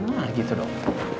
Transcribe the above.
nah gitu dong